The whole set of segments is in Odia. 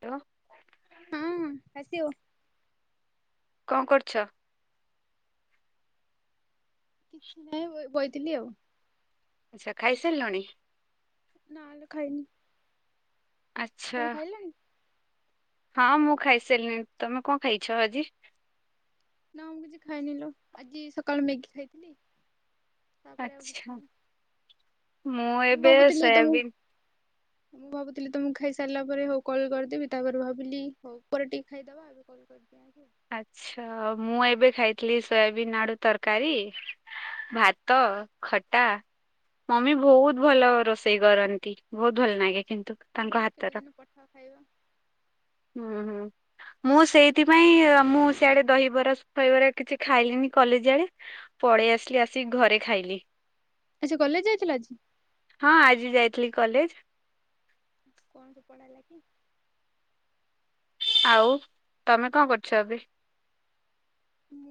ଟ ହଁ। ଆସିବ। କଣ କରୁଛ? କିଛି ନାହିଁ ବ-ବଇଥିଲି ଆଉ। ଆଚ୍ଛା ଖାଇସାରିଲଣି? ନା ଲୋ ଖାଇନି। ଆଚ୍ଛା ତମେ ଖାଇଲଣି? ହଁ ମୁଁ ଖାଇସାରିଲିନି ତମେ କଣ ଖାଇଛ ଆଜି? ନା ମୁଁ କିଛି ଖାଇନ ଲୋ, ଆଜି ସକାଳୁ ମ୍ୟାଗି ଖାଇଥିଲି। ଆଚ୍ଛା ମୁଁ ଏବେ ଭାବୁଥିଲି ସୋୟାବିନ୍ ତମକୁ ମୁଁ ଭାବୁଥିଲି ତମକୁ ଖାଇ ସାରିଲା ପରେ ହଉ କଲ କରିଦେବି। ତା ପରେ ଭାବିଲି ହଉ ପରେ ଟିକେ ଖାଇଦବା। [unintelligible] ଆଚ୍ଛା ମୁଁ ଏବେ ଖାଇଥିଲି ସୋୟାବିନ୍ ଆଡୁ ତରକାରୀ। ଆଉ। ଭାତ ଖଟା ମମି ବହୁତ ଭଲ ରୋଷେଇ କରନ୍ତି ବହୁତ ଭଲ ନାଗେ। କିନ୍ତୁ ମୁଁ ତାଙ୍କ ଭାବ କେବେ ହାତର ଦିନ ପଠାଅ ଖାଇବା ମୁଁ ସେଇଥିପାଇଁ ଅଁ ମୁଁ ସିଆଡେ ଦହିବରା ଫଇବରା କିଛି ଖାଇଲିିନି କଲେଜ ଆଡେ। ପଳେଇ ଆସିଲି ଆସି ଘରେ ଖା ଖାଇଲି। ଆଜି କଲେଜ ଯାଇଥିଲ ଆଜି? ହଁ ଆଜି ଯାଇଥିଲି କଲେଜ। କଣ ପଢା ହେଲା କି? ଆଉ ତମେ କଣ କରୁଛ ଏବେ?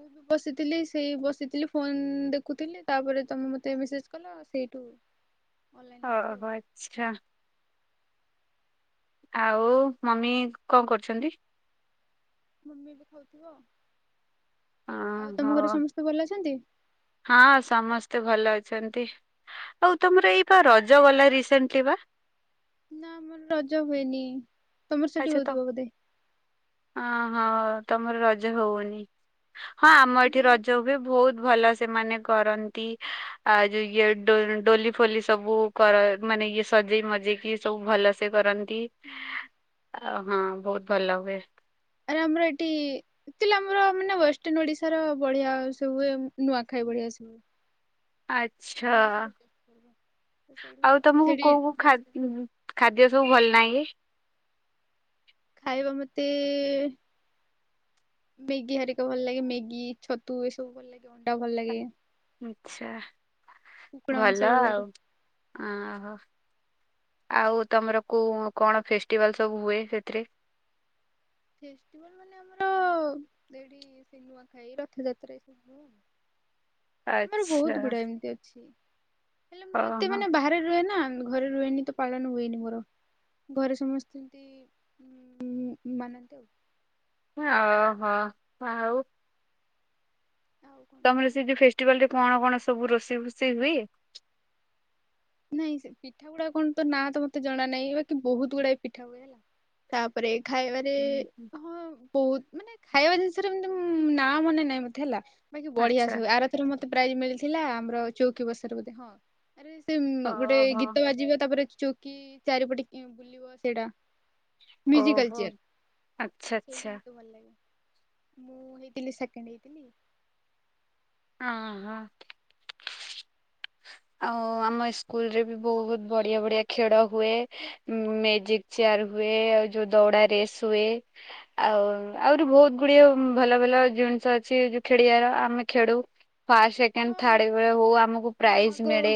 ମୁଁ ବସିଥିଲି ସେଇ ବସିଥିଲି ଫୋନ ଦେଖୁଥିଲି। ତା ପରେ ତମେ ମତେ ମେସେଜ କଲ ସେଇଠୁ ଅନଲାଇନ ଆସିଲି ଓଃହ ଆଉ ଆଚ୍ଛା। ଆଉ ମମି କଣ କରୁଚନ୍ତି? ମମି ବି ଖାଉଥିବ। ଆଁ ଆଉ ତମ ହୋ ଘରେ ସମସ୍ତେ ଭଲ ଅଛନ୍ତି? ହଁ ସମସ୍ତେ ଭଲ ଆଉ ତମର ଏଇ ବା ରଜ ଗଲା ରିସେଣ୍ଟଲି ବା ନା ଆମର ରଜ ହୁଏନି ତମର ସେଠି ହୋଉଥିବା ବୋଧେ? ଅହଁ ତମର ରଜ ହଉନି ହଁ ଆମ ଏଠି ରଜ ହୁଏ ବହୁତ ଭଲ ସେମାନେ କରନ୍ତି ଆଉ ଯୋଉ ଇଏଡ ଡୋଲି ଫୋଲି ସବୁ କର ମାନେ କଏ ସଜେଇ ମଜେଇକି ସବୁ ଭଲସେ କରନ୍ତି ଆ ହଁ ବହୁତ ଭଲ ହୁଏ ଆରେ ଆମର ଏଠି ଆମର ମାନେ ୱେଷ୍ଟ ଇନ୍‌ ଓଡିଶାର ବଢିଆ ସବୁଏ ନୂଆଖାଇ ବଢିଆ ସେ ଆଚ୍ଛା ଆମର ସେଇଟା ତ ସେଇଠୁ ଆଉ ଆମେ ତମକୁ ସେଠି କୋଉ ଖା ଡ୍ୟାନ୍ସ କରୁ। ଖାଦ୍ୟ ସବୁ ଭଲ? ନାଇଁକି ଖାଇବା ମତେ ମ୍ୟାଗି ହାରିକା ଭଲ ଲାଗେ ମ୍ୟାଗି ଛତୁ ଏସବୁ ଭଲ ଲାଗେ ଅଣ୍ଡା ଭଲ ଲାଗେ। ଆଛା। କୁକୁଡ଼ା ମାଂସ ଭଲ ଆଉ ଲାଗେ। ଓହୋ। ଆଉ ତମର କୋଉ କଣ ଫେଷ୍ଟିଭାଲ ସବୁ ହୁଏ ସେଥିରେ? ଫେଷ୍ଟିବାଳ ମାନେ ଆମର ଏଠି ସେ ନୁଆ ଖାଇ ରଥଯାତ୍ରା ଏସବୁ ହୁଏ। ଆମର ବହୁତ ଆଚ୍ଛା। ଗୁଡା ଏମିତି ଅଛି। ହେଲେ ମୁଁ ଏତେ ଓହୋ ମାନେ ବାହାରେ ରୁହେ ନା ଘରେ ରୁହେନି ତ ପାଳନ ହୁଏନି ମୋର। ଘରେ ସମସ୍ତେ ଏମିତି ହଁ ମାନନ୍ତି ଆଉ। ଓହୋ ଆଉ। ଆଉ କଣ କୁହ? ତମର ସେଠି ଫେଷ୍ଟିଭାଲ ରେ କଣ କଣ ସବୁ ରୋଷେଇ ଫୋଷେଇ ହୁଏ। ନାଇଁ ସେ ପିଠା ଗୁଡା କଣ ତ ନାଁ ତ ମତେ ଜଣା ନାହିଁ। ବାକି ବହୁତ ଗୁଡାକ ପିଠା ହୁଏ ହେଲା। ତାପରେ ଖାଇବାରେ ହୁଁ, ହୁଁ। ହଁ ବହୁତ ମାନେ ଖାଇବା ଜିନିଷରେ ଏମିତି ନାଁ ମନେ ନାହିଁ ମତେ ହେଲା ବାକି ବଢିଆ ଆଚ୍ଛା ସବୁ ଆରଥର ମତେ ତେ ପ୍ରାଇଜ ମିଳିଥିଲା। ଆମର ଚୌକି ବସାରେ ବୋଧେ ହଁ ଆରେ ସେ ଗୋଟେ ଓହୋ ଗୀତ ବାଜିବ ତାପରେ ଚୌକି ଚାରିପଟେ କି ବୁଲିବ ସେଇଟା। ଓହୋ ମିଉଜିକାଲଚେୟାର। ଆଚ୍ଛା ଆଚ୍ଛା ମୁଁ ହେଇଥିଲି ସେକେଣ୍ଡ ହେଇଥିଲି। ଅ ହଁ। ଆଉ ଆମ ସ୍କୁଲ ରେ ବି ବହୁତ ବଢିଆ ବଢିଆ ଖେଳ ହୁଏ। ମେଜିକ ଚେୟାର ହୁଏ ଆ ଯୋଉ ଦୌଡା ରେସ୍ ହୁଏ। ଆଉ ଆହୁରି ବହୁତ ଗୁଡିଏ ଭଲ ଭଲ ଜିନିଷ ଅଛି ଯଉ ଖେଡିଆ ର ଆମେ ଖେଡୁ। ଫାଷ୍ଟ ହଁ ସେକେଣ୍ଡ ଥାର୍ଡ ବେଳେ ହଉ ଆମକୁ ମୁଁ ଆଗ ପ୍ରାଇଜ ମିଳେ।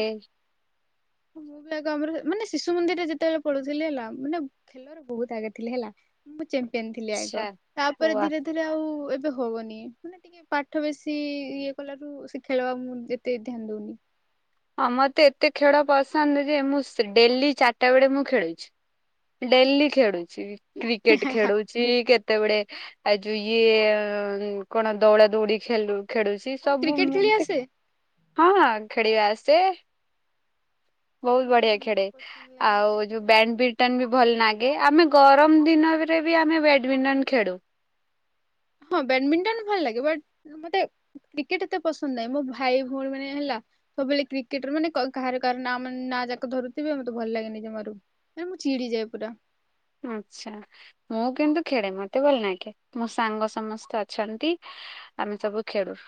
ମୁଁ ବି ଆଗ ଆମର ମାନେ ଶିଶୁ ମନ୍ଦିରରେ ଯେତେବେଳେ ପଢୁଥିଲି ହେଲା ମାନେ ଖେଲରେ ବହୁତ ଆଗେ ଥିଲି ହେଲା। ମୁଁ ପିନ୍ଧଥିଲି ଆଗ ଆଛା। ତାପରେ ୱା ଧୀରେ ଧୀରେ ଆଉ ଏ ବେ ହଉନି ମାନେ ଟିକେ ପାଠ ବେଶି ଇଏ କଲାରୁ ଖେଳିବା ମୁଁ ଯେତେ ଧ୍ୟାନ ଦଉନି। ହଁ ମୋତେ ଏତେ ଖେଳ ପସନ୍ଦ ଯେ ମୁଁ ସେ ଡେଲି ଚାରିଟା ବେଳେ ମୁଁ ଖେଳୁଛି। ଡେଲି ଖେଳୁଛି କ୍ରିକେଟ ଖେଳୁଛି କେତେବେଳେ ଆ ଯଉ ଇଏ କଣ ଦୌଡ଼ା ଦୌଡି ଖେଲୁ ଖେଳୁଛି ତମକୁ ସବୁ କ୍ରିକେଟ ମୁଁ ଖେଳି ମ ଆସେ? ହଁ ଖେଳିବା ଆସେ। ବହୁତ ମତେ ବଢିଆ ଜମାରୁ ଖେଳେ ପସନ୍ଦ ଲାଗେନି ଆଉ କାହିଁ ଯୋଉ କେଜାଣି ବ୍ୟାଡ ବିଟନ ବି ଭଲ ନାଗେ ଆମେ ଗରମ ଦିନରେ ବି ଆମେ ବ୍ୟାଡ଼ମିଣ୍ଟନ ଖେଳୁ। ହଁ ବ୍ୟାଡମିଣ୍ଟନ ଭଲ ଲାଗେ। ବଟ ମତେ କ୍ରିକେଟ ଏତେ ପସନ୍ଦ ନାହିଁ ମୋ ଭାଇ ଭଉଣୀ ମାନେ ହେଲା ସବୁବେଳେ କ୍ରିକେଟର ମାନେ କ କାହାର କାହାର ନା ମାନେ ନାଁ ଯାକ ଧରୁଥିବେ। ମତେ ଭଲ ଲାଗେନି ଜମାରୁ। ଚିଡ଼ିଯାଏ ପୁରା। ଆଛା ମୁଁ କିନ୍ତୁ ଖେଳେ ମତେ ଭଲନାଗେ ମୋ ସାଙ୍ଗ ସମସ୍ତେ ଅଛନ୍ତି। ଆମେ ସବୁ ଖେଳୁ।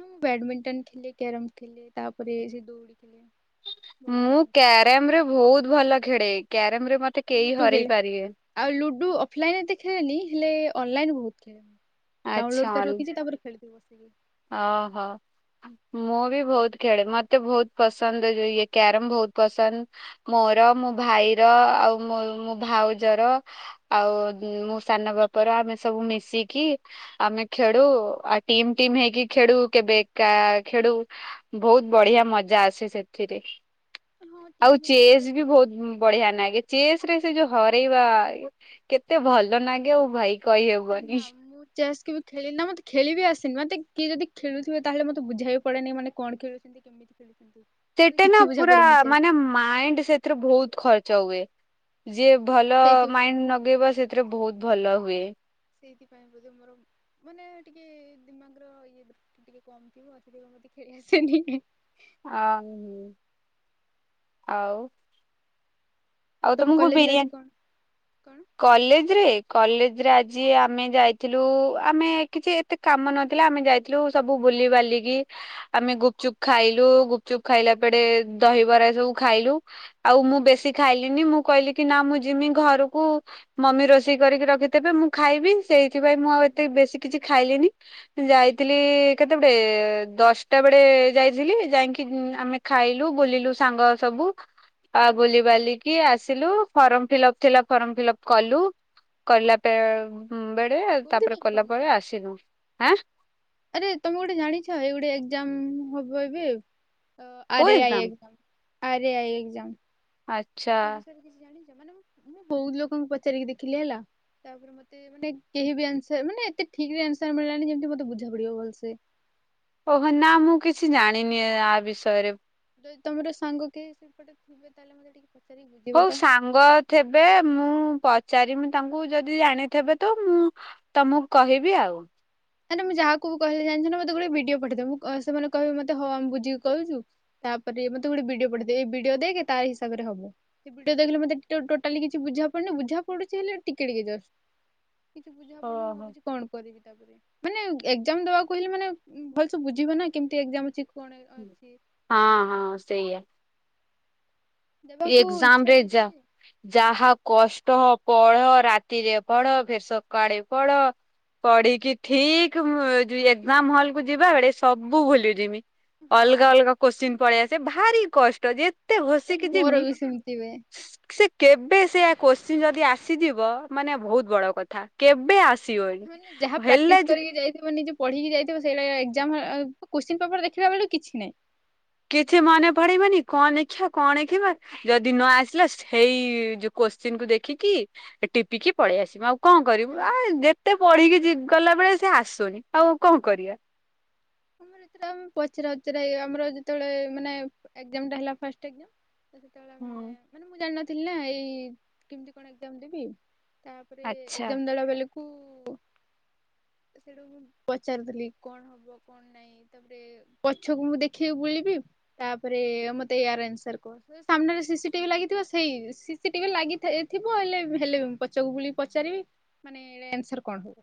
ମୁଁ ବ୍ୟାଡମିଣ୍ଟନ ଖେଲେ କ୍ୟାରମ ଖେଲେ ତାପରେ ସେ ଦୌଡି ଖେଳେ ବଢିଆ ଲାଗେ। ମୁଁ କ୍ୟାରମରେ ବହୁତ ଭଲ ଖେଡେ। କ୍ୟାରମ ରେ ମତେ କେହି ଲୁଡୁ ହରେଇ ଖେଲେ, ପାରିବେନି। ଆଉ ଲୁଡୁ ଅଫଲାଇନ ଏତେ ଖେଳେନି ହେଲେ ଅନଲାଇନ ବହୁତ ଖେଳେ। ଡାଉନଲୋଡ କରି ରଖିଛି ତାପରେ ଖେଳିଥିବି ବସିକି। ଅହୋ। ମୁଁ ବି ବହୁତ ଖେଳେ। ମତେ ବହୁତ ପସନ୍ଦ ଯୋଉ ଇଏ କ୍ୟାରମ ବହୁତ ପସନ୍ଦ ମୋ ମୋର ମୋ ଭାଇର ଆଉ ମୋ ମୋ ଭାଉଜର, ଆଉ ମୁଁ ସାନ ବାପର ର ଆମେ ସବୁ ମିଶିକି ଆମେ ଖେଡୁ। ଆ ଟି ଟିମ ହେଇକି ଖେଡୁ। କେବେ ଏକା ଖେଡୁ ବହୁତ ବଢିଆ ମଜା ଆସେ ସେଥିରେ। ହଁ ଆଉ ଟିମ୍ ହେଇକି ଚେସ୍ ଖେଳେ ବି ଭଲ। ବହୁତ ବଢିଆ ନାଗେ। ଚେସ୍ ରେ ସେ ଯୋଉ ହରେଇବା, କେତେ ଭଲ ନାଗେ ଆଉ ଭାଇ ଆରେ ନା କହିହବନି। ମୁଁ ଚେସ୍ କେବେ ଖେଳିନି ନା ମତେ ଖେଳିବି ଆସେନି। ମତେ କିଏ ଯଦି ଖେଳୁଥିବ ତାହେଲେ ମତେ ବୁଝାଇ ବାକୁ ପଡ଼େନି, ମାନେ କଣ ଖେଳୁଛନ୍ତି କେମିତି ଖେଳୁ ସେଟା ନା ପୁରା ମାନେ ମାଇଣ୍ଡ ସେଥିରେ ବହୁତ ଖର୍ଚ୍ଚ ହୁଏ। ଯିଏ ଭଲ ସେଇଥି ମାଇଣ୍ଡ ନଗେଇବ, ସେଥିରେ ବହୁତ ଭଲ ହୁଏ। ସେଇଥିପାଇଁ ବୋଧ ମୋର ମାନେ ଟିକେ ଦିମାଗର ଇଏ ଟିକେ କମ୍ ଥିବ ଆସିକି ମୋ [unintelligible] ଅଂ ଆଉ। ଆଉ ତମ ତମକୁ କଲେଜରେ ଆଜି ବିରିୟାନୀ, କଣ କଣ? କଲେଜରେ କଲେଜରେ ଆଜି ଆମେ ଯାଇଥିଲୁ, ଆମେ କିଛି ଏତେ କାମ ନଥିଲା ଆମେ ଯାଇଥିଲୁ ସବୁ ବୁଲି ବାଲିକି ଆମେ ଗୁପଚୁପ ଖାଇଲୁ ଗୁପଚୁପ ଖାଇଲା ପଡେ ଦହିବରା ସବୁ ଖାଇଲୁ। ରୁ ଆଉ ମୁଁ ବେଶୀ ନି ମୁଁ କହିଲି କି ନା ମୁଁ ଯିମି ଘରକୁ, ମମି ରୋଷେଇ କରିକି ରଖିଥେବେ ମୁଁ ଖାଇବି। ସେଇଥିପାଇଁ ମୁଁ ହୁଁ ଆଉ ଏତେ ବେଶୀ କିଛି ଖାଇଲିନି, ହୁଁ ଯାଇଥିଲି କେ ସେପଟେ ଦଶଟା ବେଳେ ଯାଇଥିଲି, ଯାଇକି ଆମେ ଖାଇଲୁ ବୁଲିଲୁ ସାଙ୍ଗ ସବୁ। ଆ ବୁଲି ବାଲିକି ଆସିଲୁ। ଫର୍ମ ଫିଲପ ଥିଲା ଫର୍ମ ଫିଲପ କଲୁ। କଲା ବେ ବେଳେ ତାପରେ କୋଉଥିପାଇଁ କଲା ଫର୍ମ ପରେ ଫିଲପ୍ ଆସିଲୁ ଆଁ। ଆରେ ତମେ ଗୋଟେ ଜାଣିଛ ଏଇ ଗୋଟେ ଏଗ୍ଜାମ ହୋଇବେ କୋଉ ଆରେ ଆଇ, ଏକ୍ଜାମ? ଆରେ ଆଇ ଏକ୍ଜାମ। ଆଚ୍ଛା ସେ ବିଷୟରେ କିଛି ଜାଣିଛ ମାନେେ ମୁ ବହୁତ ଲୋକଙ୍କୁ ପଚାରିକି ଦେଖିଲି ହେଲା। ତାପରେ ମତେ ମାନେ କେହି ବି ଆନସର ମାନେ ଏତେ ଠିକରେ ଆନସର ମିଳିଲାନି ଯେମିତି ମତେ ବୁଝା ପଡିବ ଭଲସେ। ଓହୋ ନା ମୁଁ କିଛି ଜାଣିନି ଆ ବିଷୟରେ। ଯଦି ତମର ସାଙ୍ଗ କିଏ ହଉ ସାଙ୍ଗ ଥେବେ ମୁଁ ପ ପଚାରି ମୁ ତାଙ୍କୁ ଯଦି ଜାଣିଥେବେ ତ ମୁଁ ତମକୁ କହିବି ଆଉ। ନାଇ ନା ମୁଁ ଯାହାକୁ କହେ ଜାଣିିନଛ ନା ନା ମୁଁ ଯାହାକୁ କହିଲେ ଯାଣିଛ ନା ମତେ ଗୋଟେ ଭିଡିଓ ପଠେଇଦବ ମୁଁ ସେମାନେ କହିବେ ମତେ ହ ଆମେ ବୁଝିକି କହିବୁ। ତା ପରେ ମତେ ଗୋଟିଏ ଭିଡିଓ ପଠେଇ ଦେବେ ଏ ଭିଡିଓ ଦେଖେ ତା ହିସାବରେ ହଵ, ଭିଡିଓ ଦେଖିଲେ ମୋତେ ଟୋଟାଲି କିଛି ବୁଝା ପଡୁନି ବୁଝା ପଡୁଛି ହେଲେ ଟିକେ ଟିକେ ଜଷ୍ଟ। [inaudible] କିଛି ବୁଝା ପଡୁନି ମୁଁ ଓହୋ। ଭାବୁଛି କଣ କରିବି ତାପରେ? ମାନେ ଏଗଜାମ ଦବାକୁ ହେଲେ ମାନେ ଭଲସେ ବୁଝିବ ନା କେମତି ଏଗଜାମ ଅଛି। କଣ ଅଛି। ହଁ ସେଇଠି ହଁ ସେଇଆ। ଦେବାକୁ ଇଚ୍ଛା ଏକ୍ଜାମରେ ବେଶୀ ଯା ଯେ ଯାହା କଷ୍ ଟ ପଢ ରାତିରେ ପଢ ଫେରେ ସକାଳେ ପଢ। ପଢ଼ିକି ଠିକ ଏକ୍ଜାମ ହଲ୍ କୁ ଯିବା ବେଳେ ସବୁ ଭୁଲି ଯିମି। ହଁ ଅଲଗା ଅଲଗା କୋଶ୍ଚିନ୍ ପଳେଇଆସେ ଭାରି କଷ୍ଟ ଯେତେ ଘୋଷ୍ ଏ ମୋର ଯିମି ବି ସେମିତି ହୁଏ। ସେ କେବେ ସେଇଆ କୋଶ୍ଚିନ୍ ଯଦି ଆସିଯିବ ମାନେ ବହୁତ ବଡକଥା କେବେ ଆ ମାନେ ଯାହା ପ୍ରାକ୍ଟିସ କରିକି ଯାଇଥିବ। ନିଜେ ପଢିକି ଯାଇଥିବ, ସେଇଟା ଆଇ ଏକ୍ଜାମର କୋଶ୍ଚିନ ପେପର ଦେଖିଲା ବେଳକୁ କିଛି ନାହିଁ। କିଛି ମନେ ପଡିବନି କଣ ନେଖିଆ, କଣ ନେଖିବା ଯଦି ନ ଆସିଲା ସେଇ ଯୋଗୁ କୋଶ୍ଚିିନକୁୁ ଦେଖିକି ଟିପିକି ପଳେଇ ଆସିବ ଆଉ କଣ କରିବୁ ନାହିଁ। ଆ ଯେତେ ପଢିକି ଗଲାବେେଳେ ସେ ଆସୁନି ଆଉ କଣ କରିବା? ତମ୍ ପଚରାଉଚରା ଇଏ ଆମର ଯେତେବେଳେ ମାନେ ଏକ୍ଜାମ ଟା ହେଲା ଫାଷ୍ଟ ଏକ୍ଜାମ। [unintelligible] ହୁଁ। ଜାଣି ନଥିଲି ନା ଏଇ କେମିତି କଣ ଏକ୍ଜାମ ଦେବି ତାପରେ ଆଚ୍ଛା ଏକ୍ଜାମ ଦେଲା ବେଳକୁ ସେଟୁ ମୁଁ ପଚାରୁଥିଲି କଣ ହବ? କଣ ନାଇଁ ତାପରେ ପଛକୁ ମୁଁ ଦେଖିକି ବୁଲିବି ତାପରେ ମତେ ଏୟାର ଆନ୍ସର କହ। ସାମ୍ନାରେ ସିସି ଟିଭି ଲାଗିଥିବ, ସେଇ ସିସି ଟିଭି ଲାଗି ଥାଏ ଥିବ ହେଲେ ହେଲେ ପଛକୁ ବୁଲିକି ପଚାରିବି। ମାନେ ଏରେ ଆନ୍ସର କଣ ହବ?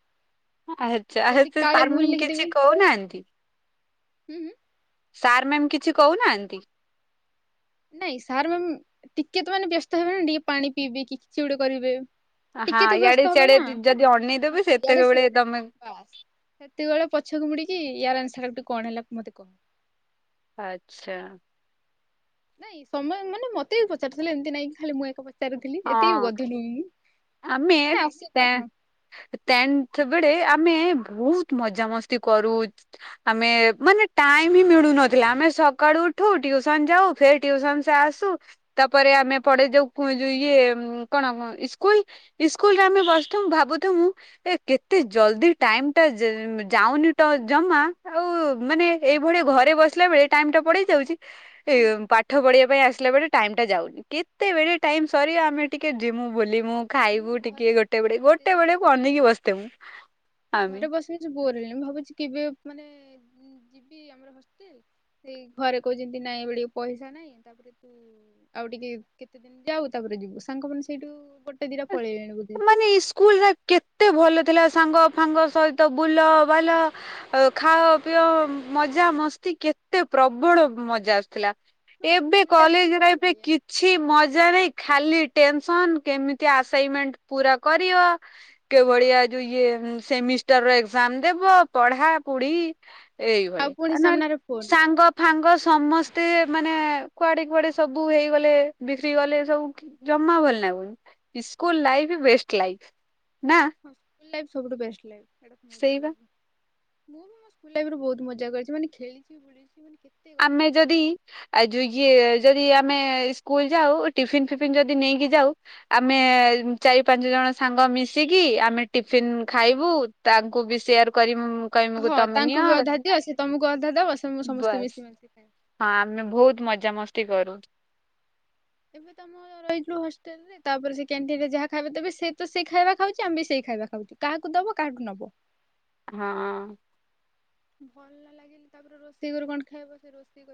ଆଚ୍ଛା ଆ ଯଦି ସେ କାଳେ ସାର୍ ଭୁଲ ମାନେ ଲେଖିଦେବି କିଛି କହୁନାହାନ୍ତି? ହୁଁ ହୁଁ। ସାର୍ ମ୍ୟାମ୍ କିଛି କହୁନାହାନ୍ତି? ନାଇଁ ସାର୍ ମ୍ ଟିକେ ତ ମାନେ ବ୍ୟସ୍ତ ହେବେ ନା ଟିକେ ପାଣି ପିଇବେ କି କିଛି ଗୋଟେ କରିବେ। ହଁ ଟିକେ ତ ଇଆଡେ ବ୍ୟସ୍ତ ହେବେ ସିଆଡେ ନା ଯଦି ଅନେଇଦେବେ ୟାଡେସେ ସେତେବେଳେ ତମେ ବାସ୍। ସେତିକଏଳେ ପଛକୁ ମୁଡିକି ୟାର ଆନ୍ସରା କଣ ହେଲା ତୁ ମତେ କହ? ଆଚ୍ଛା। ନାଇଁ ସମୟ ମାନେ ମତେ ବି ପଚାରୁଥିଲେ ଏମିତି ନାଇଁ କି ଖାଲି ମୁଁ ଏକା ପଚା ଚାରୁଥିଲି ଏତିକି ହଁ ଗଧ ନୁହେଁ ମୁଁ। ଆମେ ମାନେ ଆସେ ଟେ କଥା ଟେନ୍‌ଥ୍ ବେଳେ ଆମେ ବହୁତ ମଜାମସ୍ତି କରୁ ଆମେ ମାନେ ଟାଇମ ହିଁ ମିଡୁ ନଥିଲା। ଆମେ ସକାଡୁ ଉଠୁ ଟ୍ୟୁସନ ଯାଉ ଫେର ଟ୍ୟୁସନ ସେ ଆସୁ ତାପରେ ଆମେ ପଢେଇ ଯାଉ ପୁ ଇଏ ଉଁ କଣ ଇସ୍ କୁଲ ସ୍କୁଲରେ ଆମେ ବସଥୁ ଭାବୁୁମୁ ଏ କେତେ ଜଲଦି ଟାଇମ ଟା ଯା ଆଉ ନିଟ ଜମା ଆଉ ମାନେ ଏଇଭଳିଆ ଘରେ ବସିଲା ବେଳେ ଟାଇମ ଟା ପଡେଇ ଯାଉଛି। ଏ ହୁଁ ପାଠ ପଢିବା ବେ ଆସିଲା ବରେ ଟାଇମ୍ ଟା ଯାଉନି କେତେବେଳେ ଟାଇମ୍ ସରିବ ଆମେ ଟିକେ ଯୁମୁ ବୋଲି ମୁଁ। ମୁଁ ଖାଇବୁ ଘରେ ଟିକେ ଗୋଟେ ବେଳେ ଗୋଟେ ସେଇ ବା ବେଳେ କୁ ଅନେଇକି ବସିଥିମୁ ମୁଁ ଆମେ। ଘରେ ବସି ବସି ବୋର ହେଲିଣି ମୁଁ ଭାବୁଛି କେବେ ମାନେ ଯିବି ଆମର ହଷ୍ଟେଲ୍। ସେଇ ଘରେ କହୁଛନ୍ତି ନାଇଁ ବଡି ପଇସା ନାଇଁ ତାପରେ ତୁ ଆଉ ଟିକେ କେତେ ଦିନ ଯାଉ ତା ପରେ ଏବେ ଯିବୁ ସାଙ୍ଗମାନେ ସେଇଠୁ ଗୋ ମାନେ ସ୍କୁଲ ରା କେତେ ଭଲ ଥିଲା। ସାଙ୍ଗ ଫାଙ୍ଗ ସହିତ ବୁଲ ବାଲ ଖାଅ ପିଅ ମଜା ମସ୍ତି କେ ତେ ପ୍ରବଳ ମଜା ଆସୁଥିଲା। ହଁ ଏବେ ସ୍କୁଲ ଲାଇଫ ଟା କଲେଜ ସବୁଠୁ ଲାଇଫରେ ବଢିଆ କିଛି ମଜା ନାଇଁ ଖାଲି ଟେନ୍ସନ କେମିତି ଆସାଇମେଣ୍ଟ ପୁରା କରିବ କିଭଳିଆ ଯୋଉ ଇଏ ସେମିଷ୍ଟର ଏକ୍ଜାମ ଦେବ ପଢା କୁଡି ଆଉ ଏଇଭଳିଆ ପୁଣି ଆ ନହେଲେ ସାମ୍ନାରେ ଫୋନ ସାଙ୍ଗ ଫାଙ୍ଗ ସମସ୍ତେ ମାନେ କୁଆଡେ କୁଆଡେ ସବୁ ହେଇଗଲେ ବିକ୍ରି ଗଲେ ସବୁ ଜମା ଭଲ ନାଗୁନି। School life best life. ହଁ ଲାଇଫ ସବୁଠୁ ବେଷ୍ଟ ଲାଇପ୍ ଏଟା ତ ମୁବି ସେଇବା କହିବି। ମୁଁ ବି ମୋ ସ୍କୁଲ ଲାଇଫ୍ ବହୁତ ମଜା କରିଛି ମାନେ ଖେଳିଛି ବୁଳିଛି ମା ଆମେ ଯଦି ଆଉ ଯୋଉ ଇଏ ଯଦି ଆମେ ସ୍କୁଲ ଯାଉ ଟିଫିନ୍ ଫିନ୍ ଯଦି ନେଇକି ଯାଉ ଆମେ ଚାରି ପାଞ୍ଚ ଜଣ ସାଙ୍ଗ ମିଶିକି ଆମେ ଟିଫିନ୍ ଖାଇବୁ ତାଙ୍କୁ ବି ସେୟାର କ ହଁ ତାଙ୍କୁ ବି ଅଧା ଦିଅ ସେ ତମକୁ ଅଧା ଦବ ସେ ମୁଁ ସମସ୍ତେ ବାସ୍ ମିଶି ମୀ ହଁ ଆମେ ବହୁତ ମଜାମସ୍ତି କରୁ। ଏବେ ତମ ରହିଥିଲୁ ହଷ୍ଟେଲ୍ ରେ ତାପରେ ସେ କ୍ୟାଣ୍ଟିନ ରେ ଯାହା ଖାଇବେ ତବେ ସେ ତ ସେ ଖାଇବା ଖାଉଛି ଆମ ବି ସେ ଖାଇବା ଖାଉଟି କାହାକୁ ଦବ କାହାଟୁ ନବ। ହଁ। ଭଲ୍ ନ ଲାଗିଲେ, ତାପରେ ରୋଷେଇ କରି କଣ ଖାଇବ? ସେ ରୋଷେଇ କରି